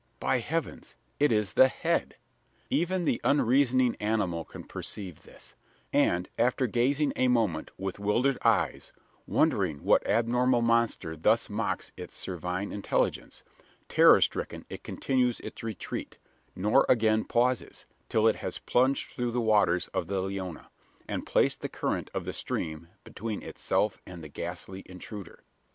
By heavens! it is the head! Even the unreasoning animal can perceive this; and, after gazing a moment with wildered eyes wondering what abnormal monster thus mocks its cervine intelligence terror stricken it continues its retreat; nor again pauses, till it has plunged through the waters of the Leona, and placed the current of the stream between itself and the ghastly intruder.